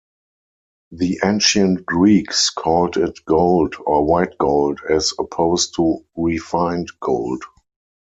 The ancient Greeks called it 'gold' or 'white gold', as opposed to 'refined gold'.